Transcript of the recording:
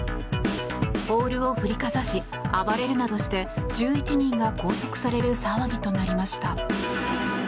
ポールを振りかざし暴れるなどして１１人が拘束される騒ぎとなりました。